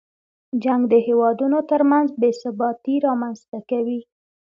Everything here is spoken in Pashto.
جنګ د هېوادونو تر منځ بې ثباتۍ رامنځته کوي.